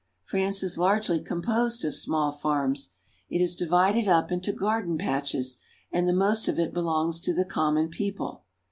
France is largely composed of small farms. It is divided up into garden patches, and the most of. it belongs to the common people.